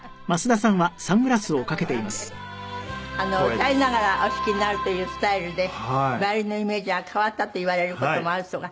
歌いながらお弾きになるというスタイルでヴァイオリンのイメージが変わったと言われる事もあるとか。